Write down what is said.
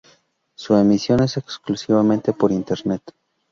Su emisión es exclusivamente por Internet.